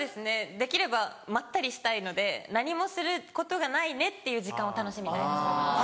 できればまったりしたいので何もすることがないねっていう時間を楽しみたいです。